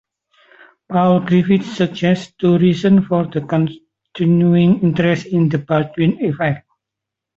Paul Griffiths suggests two reasons for the continuing interest in the Baldwin effect.